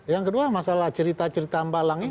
yang kedua masalah cerita cerita mbak langit